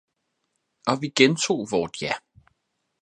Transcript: Og vi gentog vort ja